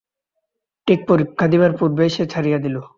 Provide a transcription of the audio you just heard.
ঠিক পরীক্ষা দিবার পূর্বেই সে ছাড়িয়া দিল।